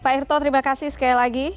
pak irto terima kasih sekali lagi